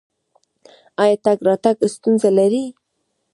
ایا تګ راتګ کې ستونزه لرئ؟